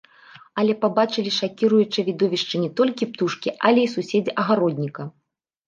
Але пабачылі шакіруючае відовішча не толькі птушкі, але і суседзі агародніка.